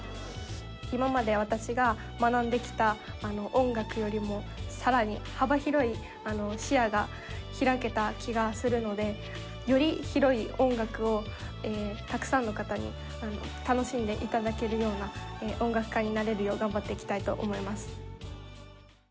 今まで私が学んできた音楽よりもさらに幅広い視野が開けた気がするのでより広い音楽をたくさんの方に楽しんで頂けるような音楽家になれるよう頑張っていきたいと思います。